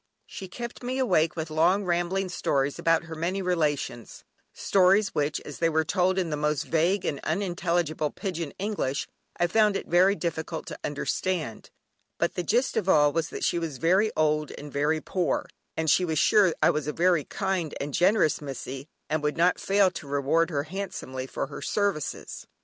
She kept me awake with long rambling stories about her many relations, stories which, as they were told in the most vague and unintelligible "pigeon English" I found it very difficult to understand, but the gist of all was that she was very old and very poor, and she was sure I was a very kind and generous "Missie," and would not fail to reward her handsomely for her services.